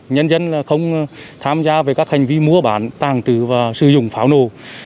nhân dân không tham gia với các hành vi mua bán tàng trừ và sử dụng pháo nổ